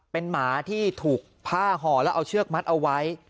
เป็นหมาที่ถูกผ้าห่อแล้วเอาเชือกมัดเอาไว้